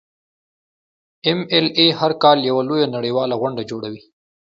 ایم ایل اې هر کال یوه لویه نړیواله غونډه جوړوي.